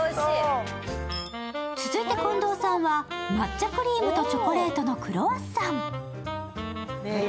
続いて近藤さんは抹茶クリームとチョコレートのクロワッサン。